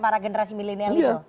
para generasi milenial itu